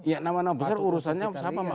ya nama nama besar urusannya sama mas